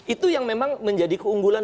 itu yang memang menjadi keunggulan